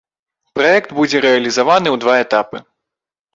Праект будзе рэалізаваны ў два этапы.